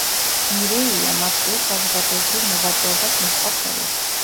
მირეიამ აქტიურ საზოგადოებრივ მოღვაწეობას მიჰყო ხელი.